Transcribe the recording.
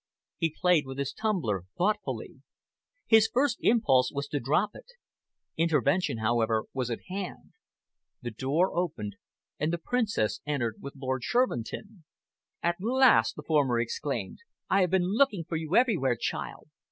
He played with his tumbler thoughtfully. His first impulse was to drop it. Intervention, however, was at hand. The door opened, and the Princess entered with Lord Shervinton. "At last!" the former exclaimed. "I have been looking for you everywhere, child.